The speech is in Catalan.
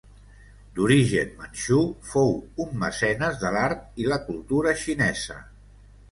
D'origen manxú, fou un mecenes de l'art i la cultura xinesa.